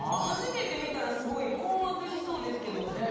初めて見たらすごい困惑しそうですけど。